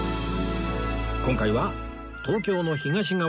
今回は東京の東側